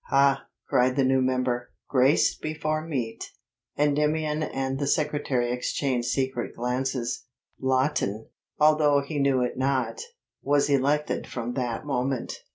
"Ha," cried the new member; "grace before meat!" Endymion and the secretary exchanged secret glances. Lawton, although he knew it not, was elected from that moment.